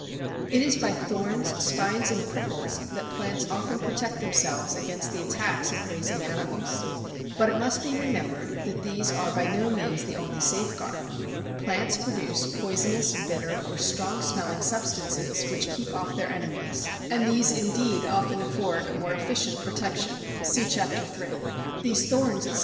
It is by thorns, spines, and prickles that plants often protect themselves against the attacks of grazing animals. But it must be remembered that these are by no means the only safeguard. Plants produce poisonous, bitter, or strong smelling substances which keep off their enemies, and these indeed often afford a more efficient protection (see Chap. III.). These thorns, etc.